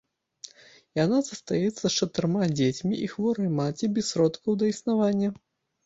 Яна застаецца з чатырма дзецьмі і хворай маці без сродкаў да існавання.